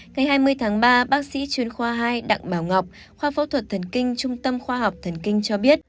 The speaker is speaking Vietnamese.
ngày hai mươi tháng ba bác sĩ chuyên khoa hai đặng bảo ngọc khoa phẫu thuật thần kinh trung tâm khoa học thần kinh cho biết